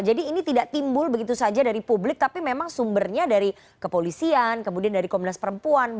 jadi ini tidak timbul begitu saja dari publik tapi memang sumbernya dari kepolisian kemudian dari komnas perempuan